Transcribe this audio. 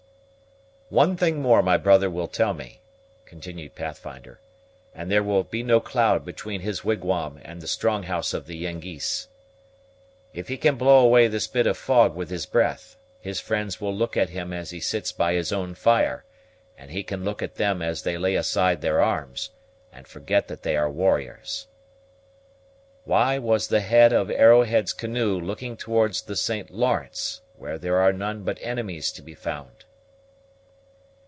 "One thing more my brother will tell me," continued Pathfinder, "and there will be no cloud between his wigwam and the strong house of the Yengeese. If he can blow away this bit of fog with his breath, his friends will look at him as he sits by his own fire, and he can look at them as they lay aside their arms, and forget that they are warriors. Why was the head of Arrowhead's canoe looking towards the St. Lawrence, where there are none but enemies to be found?"